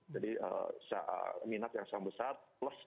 jadi minat yang sangat besar plus ada euphoria juga